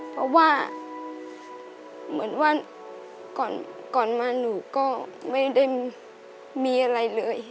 เพราะว่าเหมือนว่าก่อนมาหนูก็ไม่ได้มีอะไรเลย